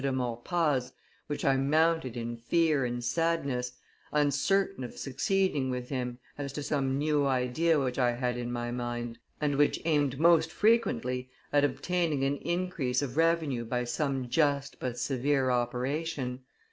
de Maurepas' which I mounted in fear and sadness, uncertain of succeeding with him as to some new idea which I had in my mind, and which aimed most frequently at obtaining an increase of revenue by some just but severe operation.